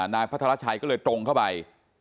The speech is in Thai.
นายพัฒนาวัชชัยก็เลยตรงเข้าไป